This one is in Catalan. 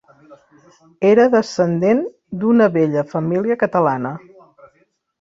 Era descendent d'una vella família catalana.